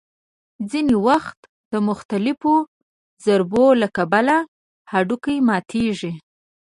ځینې وخت د مختلفو ضربو له کبله هډوکي ماتېږي.